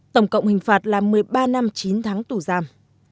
tổng cộng hình phạt là một mươi ba năm chín tháng tù giam